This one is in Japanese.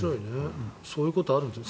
そういうことがあるんですね。